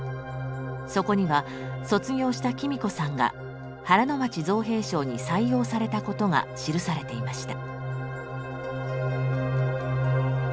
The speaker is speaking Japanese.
そこには卒業した喜美子さんが原町造兵廠に採用されたことが記されていました。